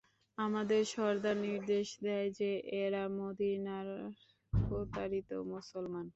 আমাদের সর্দার নির্দেশ দেয় যে, এরা মদীনার প্রতারিত মুসলমান।